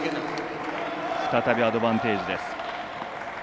再びアドバンテージです。